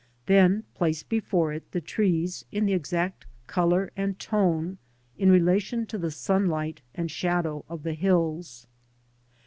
Then place below it the trees in the exact colour and tone in relation to the sunlight and shadow of the hills.